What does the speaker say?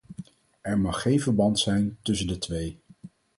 Er mag geen verband zijn tussen de twee.